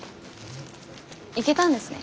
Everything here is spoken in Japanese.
行けたんですね